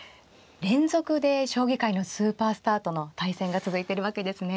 連続で将棋界のスーパースターとの対戦が続いてるわけですね。